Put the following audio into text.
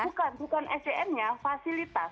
bukan bukan sdm nya fasilitas